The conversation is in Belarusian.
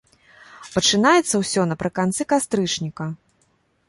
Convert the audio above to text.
Пачынаецца ўсё напрыканцы кастрычніка.